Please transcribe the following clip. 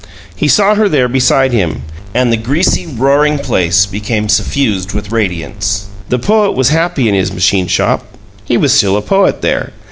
He saw her there beside him, and the greasy, roaring place became suffused with radiance. The poet was happy in his machine shop; he was still a poet there.